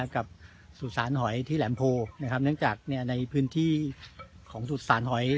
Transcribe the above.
กับสุสานหอยที่แหลมโพนะครับเนื่องจากในพื้นที่ของสุสานหอย